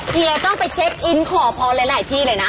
เฮียต้องไปเช็คอินขอพรหลายที่เลยนะ